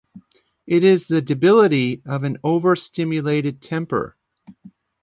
It is the debility of an over-stimulated temper.